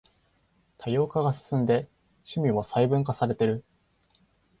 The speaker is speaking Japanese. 多様化が進んで趣味も細分化されてる